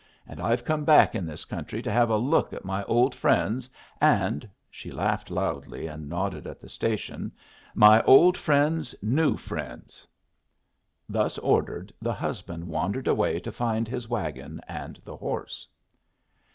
And I've come back in this country to have a look at my old friends and" (she laughed loudly and nodded at the station) "my old friends' new friends!" Thus ordered, the husband wandered away to find his wagon and the horse.